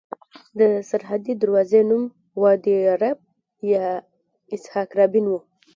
د سرحدي دروازې نوم وادي عرب یا اسحاق رابین وو.